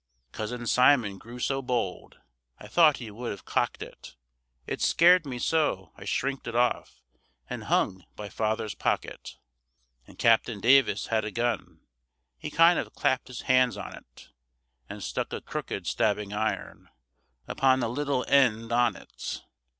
Cousin Simon grew so bold, I thought he would have cocked it; It scared me so, I shrinked it off, And hung by father's pocket. And Captain Davis had a gun, He kind of clapt his hand on 't, And stuck a crooked stabbing iron Upon the little end on 't.